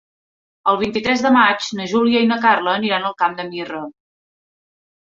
El vint-i-tres de maig na Júlia i na Carla aniran al Camp de Mirra.